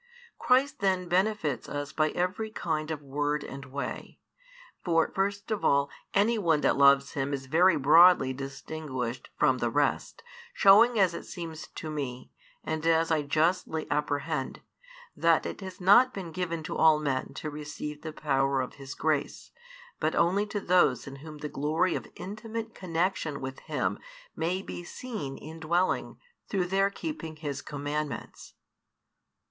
Christ then benefits us by every kind of word and way. For, first of all, anyone that loves Him is very broadly distinguished from the rest, showing as it seems to me, and as I justly apprehend, that it has not been given to all men to receive the power of His grace, but only to those in whom the glory of intimate connexion with Him may be seen indwelling through their keeping His commandments.